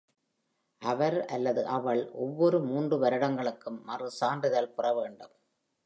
அவர் அல்லது அவள் ஒவ்வொரு மூன்று வருடங்களுக்கும் மறு சான்றிதழ் பெற வேண்டும்.